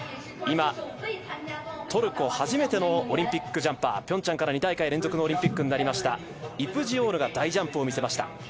今、トルコ初めてのオリンピックジャンパーピョンチャンから２大会連続になりました、イプジオールが大ジャンプを見せました。